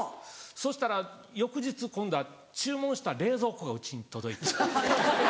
そしたら翌日今度は注文した冷蔵庫がうちに届いて。